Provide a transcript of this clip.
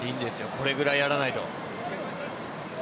これくらいやらないと。